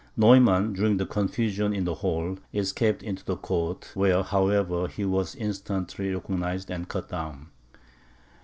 Neumann, during the confusion in the hall, escaped into the court, where, however, he was instantly recognised and cut down.